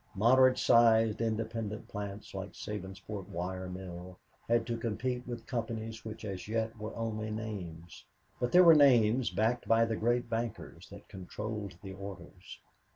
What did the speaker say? Moderate sized, independent plants, like the Sabinsport wire mill, had to compete with companies which as yet were only names but they were names backed by the great bankers that controlled the orders.